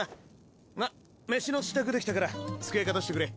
あっ飯の支度出来たから机片してくれ。